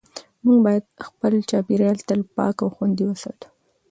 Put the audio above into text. موږ باید خپل چاپېریال تل پاک او خوندي وساتو